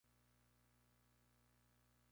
En el libro: Porque soy un poeta.